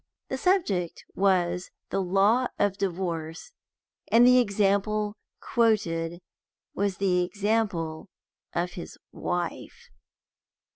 The subject was the Law of Divorce, and the example quoted was the example of his wife.